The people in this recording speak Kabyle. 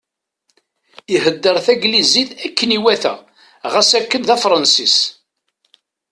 Ihedder taglizit akken iwata ɣas akken d Afransis.